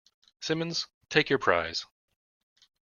Simmons, take your prize.